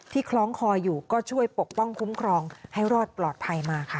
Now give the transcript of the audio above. คล้องคออยู่ก็ช่วยปกป้องคุ้มครองให้รอดปลอดภัยมาค่ะ